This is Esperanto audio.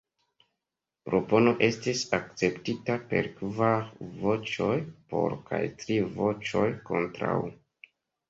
Propono estis akceptita per kvar voĉoj "por" kaj tri voĉoj "kontraŭ".